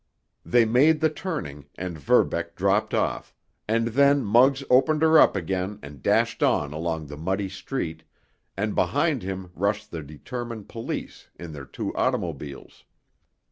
They made the turning, and Verbeck dropped off, and then Muggs opened her up again and dashed on along the muddy street, and behind him rushed the determined police in their two automobiles.